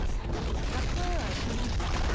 学校へは行っていないんですか？